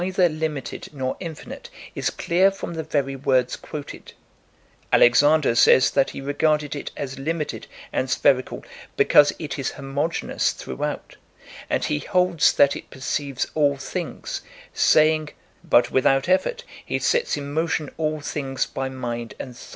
G 82 THE FIRST PHILOSOPHERS OF GREECE quoted,—Alexander says that he regarded it as limited and spherical because it is homogeneous throughout ; and he holds that it perceives all things, saying (Frag. 3) 'But without effort he sets in motion all things by mind and thought.